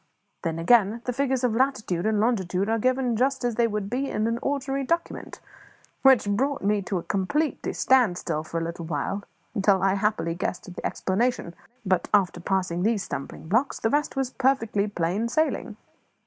Then, again, the figures of the latitude and longitude are given just as they would be in an ordinary document, which brought me completely to a standstill for a little while, until I happily guessed at the explanation; but after passing these stumbling blocks, the rest was perfectly plain sailing."